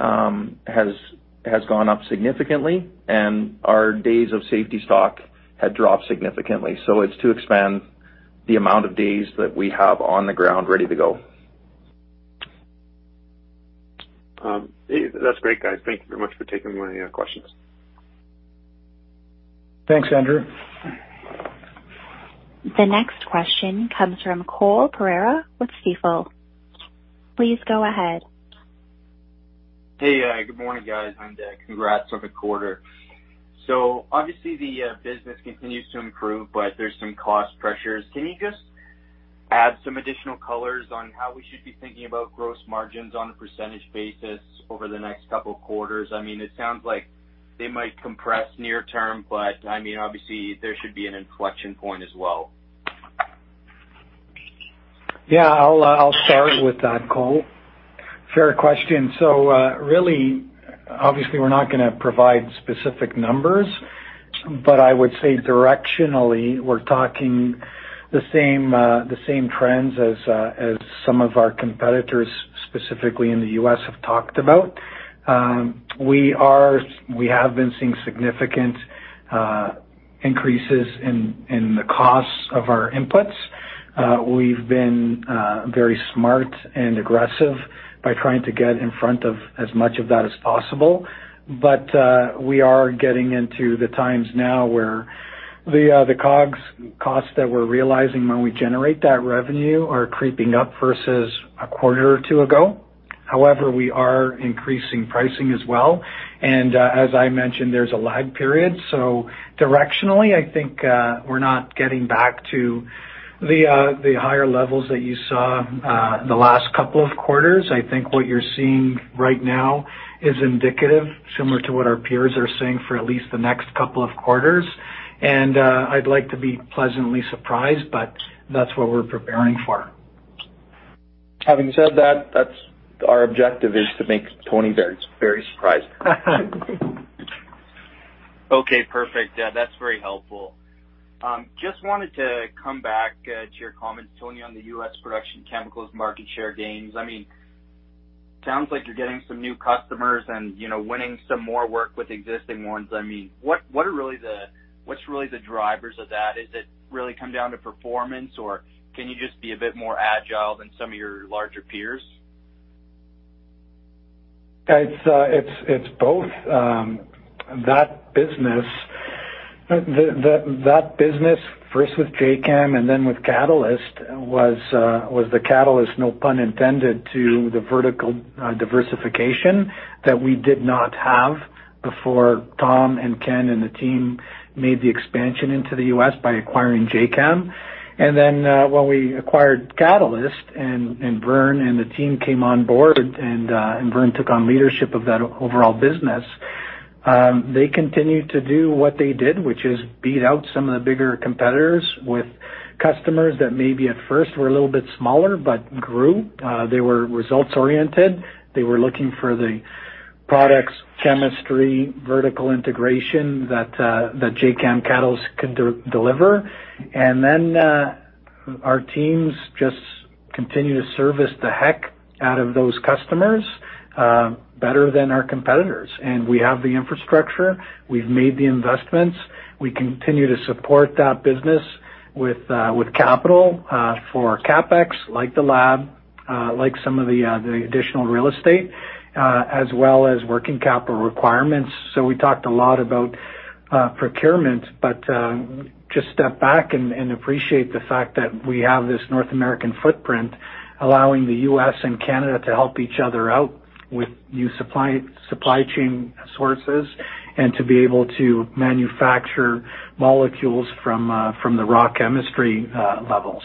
has gone up significantly, and our days of safety stock had dropped significantly. It's to expand the amount of days that we have on the ground ready to go. That's great, guys. Thank you very much for taking my questions. Thanks, Andrew. The next question comes from Cole Pereira with Stifel. Please go ahead. Hey, good morning, guys. I'm back. Congrats on the quarter. Obviously, the business continues to improve, but there's some cost pressures. Can you just add some additional colors on how we should be thinking about gross margins on a percentage basis over the next couple of quarters? I mean, it sounds like they might compress near term, but, I mean, obviously, there should be an inflection point as well. I'll start with that, Cole. Fair question. Really, obviously, we're not gonna provide specific numbers, but I would say directionally, we're talking the same trends as some of our competitors, specifically in the U.S., have talked about. We have been seeing significant increases in the costs of our inputs. We've been very smart and aggressive by trying to get in front of as much of that as possible. We are getting into the times now where the COGS costs that we're realizing when we generate that revenue are creeping up versus a quarter or two ago. However, we are increasing pricing as well. As I mentioned, there's a lag period. Directionally, I think we're not getting back to the higher levels that you saw the last couple of quarters. I think what you're seeing right now is indicative of similar to what our peers are seeing for at least the next couple of quarters. I'd like to be pleasantly surprised, but that's what we're preparing for. Having said that's our objective is to make Tony very, very surprised. Okay, perfect. Yeah, that's very helpful. Just wanted to come back to your comments, Tony, on the U.S. production chemicals market share gains. I mean, sounds like you're getting some new customers and, you know, winning some more work with existing ones. I mean, what are really the drivers of that? Is it really come down to performance, or can you just be a bit more agile than some of your larger peers? It's both that business. That business, first with Jacam and then with Catalyst was the catalyst, no pun intended, to the vertical diversification that we did not have before Tom and Ken and the team made the expansion into the U.S. by acquiring Jacam. Then, when we acquired Catalyst and Vern and the team came on board and Vern took on leadership of that overall business, they continued to do what they did, which is beat out some of the bigger competitors with customers that maybe at first were a little bit smaller but grew. They were results-oriented. They were looking for the products, chemistry, vertical integration that Jacam Catalyst could deliver. Then, our teams just Continue to service the heck out of those customers, better than our competitors. We have the infrastructure. We've made the investments. We continue to support that business with capital for CapEx, like the lab, like some of the additional real estate, as well as working capital requirements. We talked a lot about procurement, but just step back and appreciate the fact that we have this North American footprint allowing the U.S. and Canada to help each other out with new supply supply chain sources and to be able to manufacture molecules from the raw chemistry level.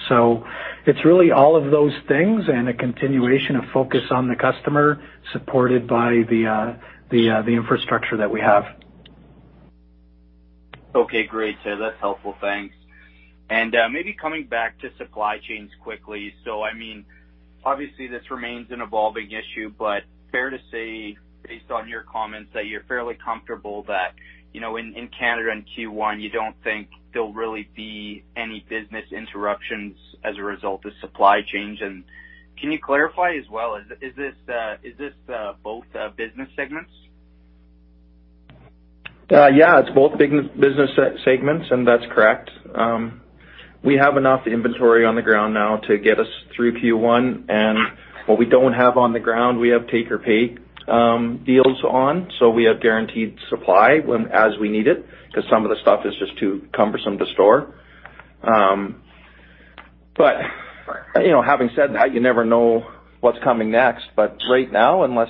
It's really all of those things and a continuation of focus on the customer supported by the infrastructure that we have. Okay, great. That's helpful. Thanks. Maybe coming back to supply chains quickly. I mean, obviously this remains an evolving issue, but fair to say, based on your comments, that you're fairly comfortable that in Canada, in Q1, you don't think there'll really be any business interruptions as a result of supply chains. Can you clarify as well, is this both business segments? Yeah, it's both business segments, and that's correct. We have enough inventory on the ground now to get us through Q1. What we don't have on the ground, we have take or pay deals on. We have guaranteed supply as we need it, because some of the stuff is just too cumbersome to store. You know, having said that, you never know what's coming next. Right now, unless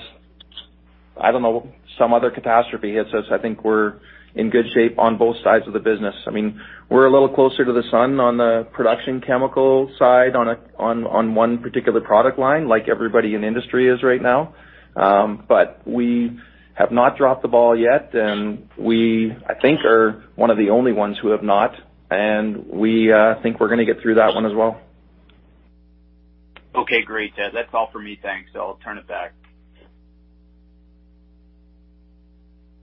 I don't know, some other catastrophe hits us, I think we're in good shape on both sides of the business. I mean, we're a little closer to the sun on the production chemical side on one particular product line, like everybody in the industry is right now. We have not dropped the ball yet, and I think we are one of the only ones who have not. We think we're gonna get through that one as well. Okay, great. That's all for me. Thanks. I'll turn it back.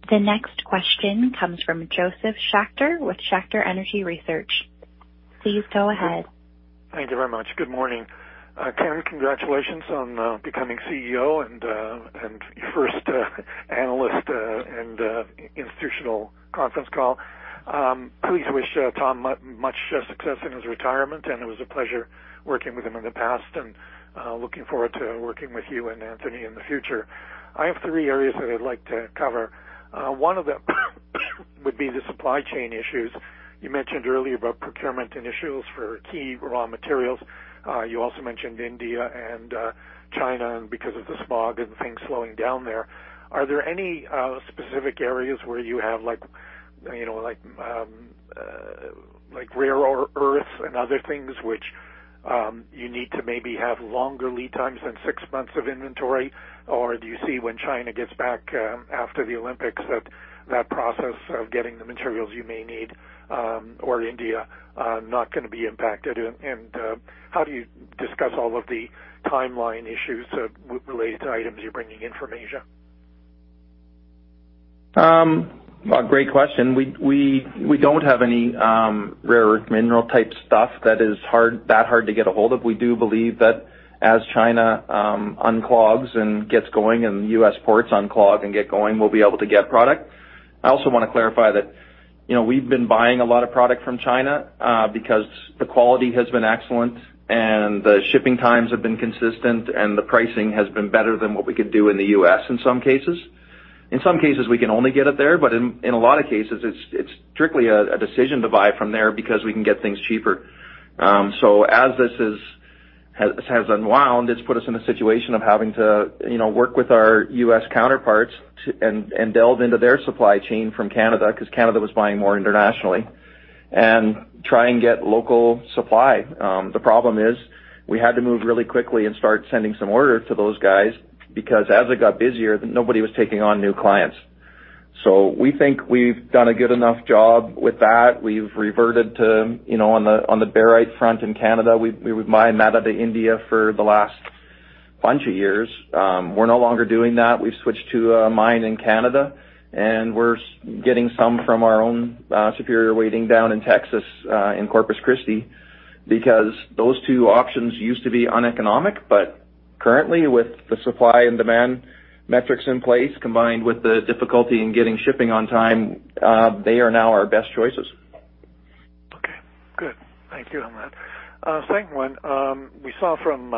The next question comes from Josef Schachter with Schachter Energy Research. Please go ahead. Thank you very much. Good morning. Ken Zinger, congratulations on becoming CEO and your first analyst and institutional conference call. Please wish Tom Simons much success in his retirement, and it was a pleasure working with him in the past, and looking forward to working with you and Tony Aulicino in the future. I have three areas that I'd like to cover. One of them would be the supply chain issues. You mentioned earlier about procurement and issues for key raw materials. You also mentioned India and China and because of the smog and things slowing down there. Are there any specific areas where you have like, you know, like rare earths and other things which you need to maybe have longer lead times than six months of inventory? Do you see when China gets back after the Olympics that process of getting the materials you may need or India not gonna be impacted? How do you discuss all of the timeline issues related to items you're bringing in from Asia? A great question. We don't have any rare earth mineral type stuff that is hard to get a hold of. We do believe that as China unclogs and gets going and U.S. ports unclog and get going, we'll be able to get product. I also wanna clarify that, you know, we've been buying a lot of product from China because the quality has been excellent and the shipping times have been consistent and the pricing has been better than what we could do in the U.S. in some cases. In some cases, we can only get it there, but in a lot of cases it's strictly a decision to buy from there because we can get things cheaper. As this has unwound, it's put us in a situation of having to, you know, work with our U.S. counterparts and delve into their supply chain from Canada, because Canada was buying more internationally, and try and get local supply. The problem is we had to move really quickly and start sending some orders to those guys because as it got busier, nobody was taking on new clients. We think we've done a good enough job with that. We've reverted to, you know, on the barite front in Canada, we would mine that out of India for the last bunch of years. We're no longer doing that. We've switched to a mine in Canada, and we're getting some from our own, Superior Weighting Products down in Texas, in Corpus Christi, because those two options used to be uneconomic. Currently, with the supply and demand metrics in place, combined with the difficulty in getting shipping on time, they are now our best choices. Okay, good. Thank you on that. Second one, we saw from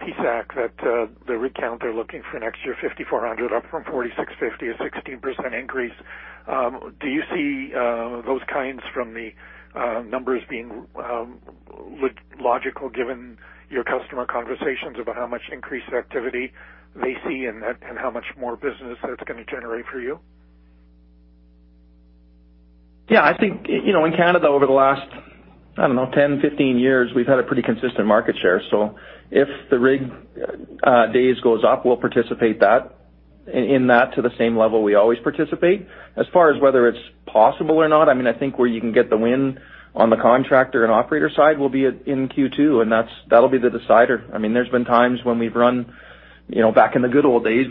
PSAC that the rig count, they're looking for next year 5,400 up from 4,650, a 16% increase. Do you see those kinds of numbers being logical given your customer conversations about how much increased activity they see and how much more business that's gonna generate for you? Yeah. I think in Canada over the last 10, 15 years, we've had a pretty consistent market share. If the rig days goes up, we'll participate in that to the same level we always participate. As far as whether it's possible or not, I think where you can get the win on the contractor and operator side will be in Q2, and that'll be the decider. There has been times when we've run 100 rigs through Q2 back in the good old days.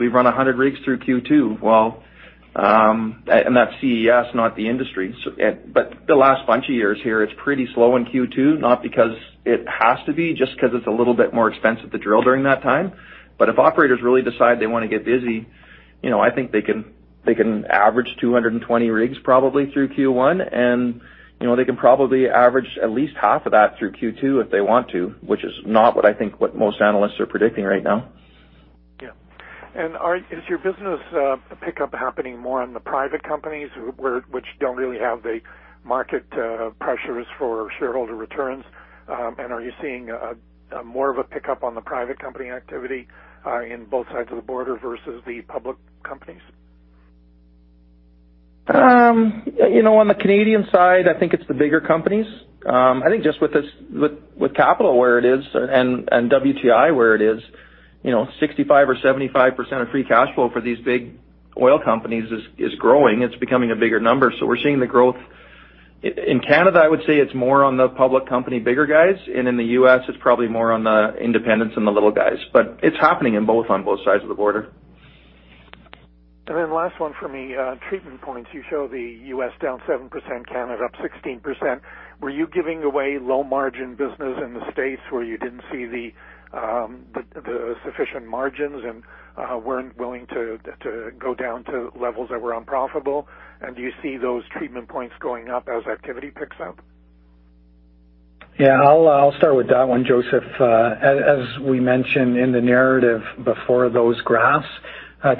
That's CES, not the industry. The last bunch of years here, it's pretty slow in Q2, not because it has to be, just 'cause it's a little bit more expensive to drill during that time. If operators really decide they wanna get busy, you know, I think they can average 220 rigs probably through Q1, and, you know, they can probably average at least half of that through Q2 if they want to, which is not what I think most analysts are predicting right now. Yeah. Is your business pickup happening more on the private companies which don't really have the market pressures for shareholder returns? Are you seeing more of a pickup on the private company activity in both sides of the border versus the public companies? You know, on the Canadian side, I think it's the bigger companies. I think just with capital where it is and WTI where it is, you know, 65% or 75% of free cash flow for these big oil companies is growing. It's becoming a bigger number. We're seeing the growth. In Canada, I would say it's more on the public company, bigger guys, and in the U.S., it's probably more on the independents and the little guys. It's happening in both, on both sides of the border. Last one for me. Treatment points, you show the U.S. down 7%, Canada up 16%. Were you giving away low-margin business in the States where you didn't see the sufficient margins and weren't willing to go down to levels that were unprofitable? Do you see those treatment points going up as activity picks up? Yeah. I'll start with that one, Josef. As we mentioned in the narrative before those graphs,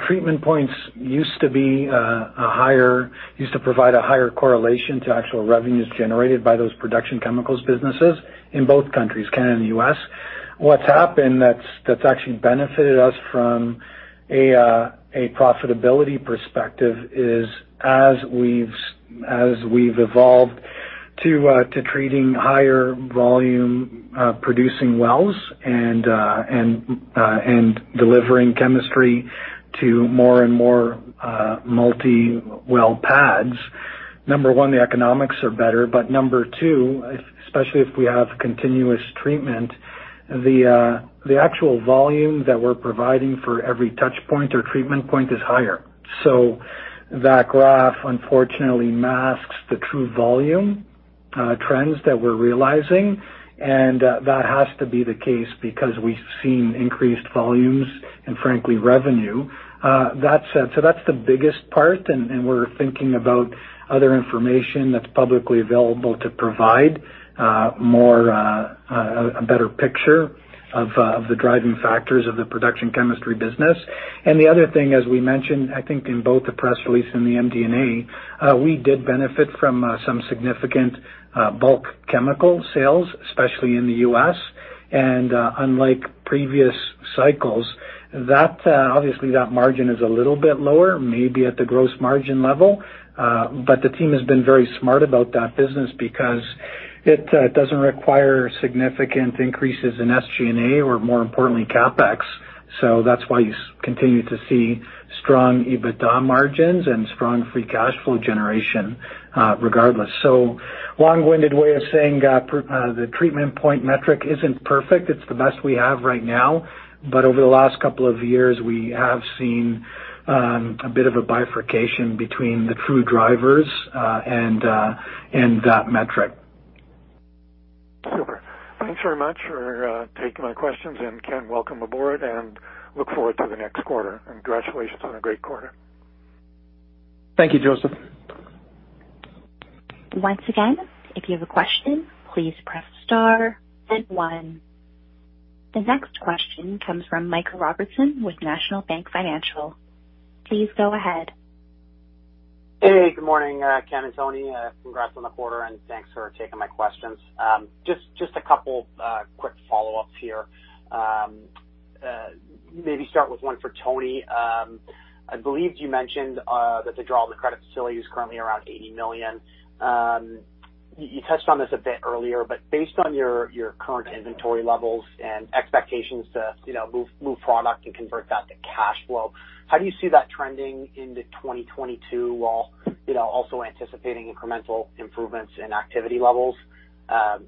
treatment points used to provide a higher correlation to actual revenues generated by those production chemicals businesses in both countries, Canada and U.S. What's happened that's actually benefited us from a profitability perspective is as we've evolved to treating higher volume producing wells and delivering chemistry to more and more multi-well pads, number one, the economics are better, but number two, especially if we have continuous treatment, the actual volume that we're providing for every touch point or treatment point is higher. That graph unfortunately masks the true volume trends that we're realizing, and that has to be the case because we've seen increased volumes and frankly, revenue. That's the biggest part, and we're thinking about other information that's publicly available to provide more of a better picture of the driving factors of the production chemicals business. The other thing, as we mentioned, I think in both the press release and the MD&A, we did benefit from some significant bulk chemical sales, especially in the U.S. Unlike previous cycles, that obviously that margin is a little bit lower, maybe at the gross margin level, but the team has been very smart about that business because it doesn't require significant increases in SG&A or more importantly, CapEx. That's why you continue to see strong EBITDA margins and strong free cash flow generation, regardless. Long-winded way of saying, the treatment point metric isn't perfect. It's the best we have right now. Over the last couple of years, we have seen a bit of a bifurcation between the true drivers and that metric. Super. Thanks very much for taking my questions. Ken, welcome aboard, and I look forward to the next quarter. Congratulations on a great quarter. Thank you, Josef. Once again, if you have a question, please press star then 1. The next question comes from Michael Robertson with National Bank Financial. Please go ahead. Hey, good morning, Ken and Tony. Congrats on the quarter, and thanks for taking my questions. Just a couple quick follow-ups here. Maybe start with one for Tony. I believe you mentioned that the draw of the credit facility is currently around 80 million. You touched on this a bit earlier, but based on your current inventory levels and expectations to, you know, move product and convert that to cash flow, how do you see that trending into 2022 while, you know, also anticipating incremental improvements in activity levels?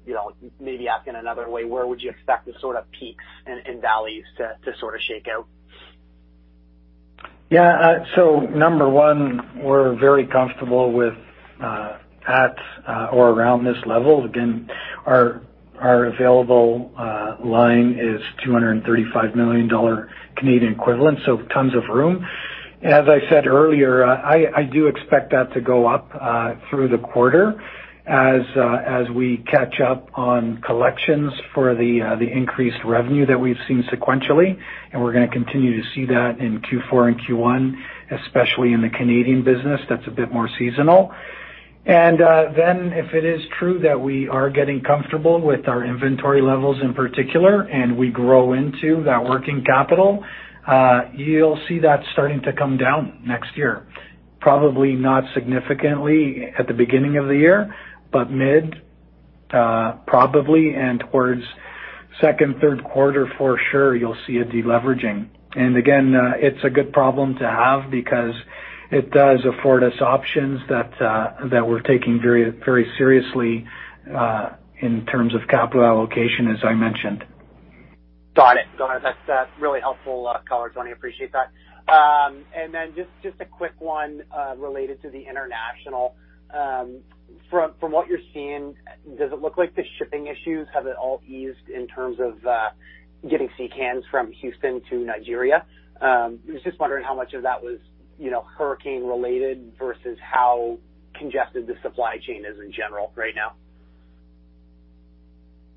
You know, maybe asking another way, where would you expect the sorta peaks and valleys to sorta shake out? Yeah. So number one, we're very comfortable with at or around this level. Again, our available line is 235 million Canadian dollars Canadian equivalent, so tons of room. As I said earlier, I do expect that to go up through the quarter as we catch up on collections for the increased revenue that we've seen sequentially, and we're gonna continue to see that in Q4 and Q1, especially in the Canadian business that's a bit more seasonal. Then if it is true that we are getting comfortable with our inventory levels in particular and we grow into that working capital, you'll see that starting to come down next year. Probably not significantly at the beginning of the year, but mid probably, and towards second, third quarter for sure you'll see a deleveraging. Again, it's a good problem to have because it does afford us options that we're taking very, very seriously in terms of capital allocation, as I mentioned. Got it. That's really helpful color, Tony. Appreciate that. Then just a quick one related to the international. From what you're seeing, does it look like the shipping issues have they all eased in terms of getting sea cans from Houston to Nigeria? Was just wondering how much of that was, you know, hurricane related versus how congested the supply chain is in general right now.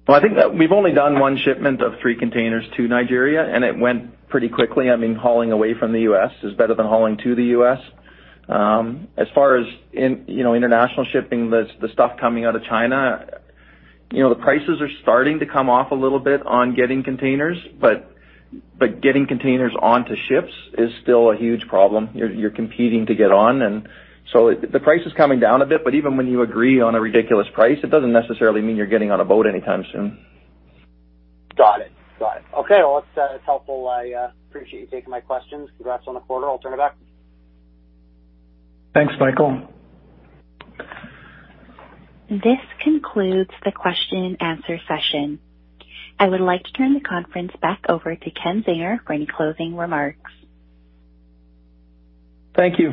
Well, I think that we've only done 1 shipment of 3 containers to Nigeria, and it went pretty quickly. I mean, hauling away from the U.S. is better than hauling to the U.S. As far as in, you know, international shipping, the stuff coming out of China, you know, the prices are starting to come off a little bit on getting containers, but getting containers onto ships is still a huge problem. You're competing to get on, and so the price is coming down a bit, but even when you agree on a ridiculous price, it doesn't necessarily mean you're getting on a boat anytime soon. Got it. Okay. Well, it's helpful. I appreciate you taking my questions. Congrats on the quarter. I'll turn it back. Thanks, Michael. This concludes the question and answer session. I would like to turn the conference back over to Ken Zinger for any closing remarks. Thank you.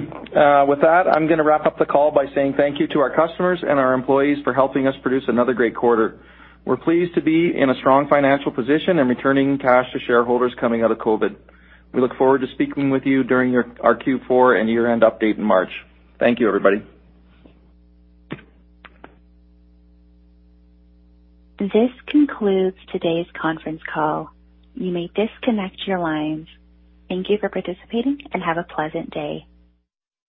With that, I'm gonna wrap up the call by saying thank you to our customers and our employees for helping us produce another great quarter. We're pleased to be in a strong financial position and returning cash to shareholders coming out of COVID. We look forward to speaking with you during our Q4 and year-end update in March. Thank you, everybody. This concludes today's conference call. You may disconnect your lines. Thank you for participating, and have a pleasant day.